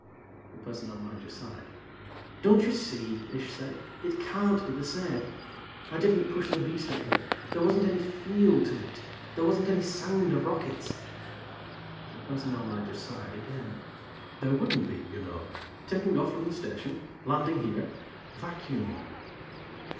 The Personnel Manager sighed. "Don't you see," Ish said, "It can't be the same. I didn't push the beast up here. There wasn't any feel to it. There wasn't any sound of rockets." The Personnel Manager sighed again. "There wouldn't be, you know. Taking off from the Station, landing here vacuum."